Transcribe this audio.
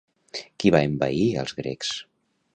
Qui va envair als grecs?